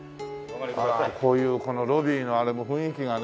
こういうこのロビーのあれも雰囲気がね。